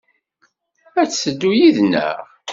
Ad d-teddu yid-neɣ?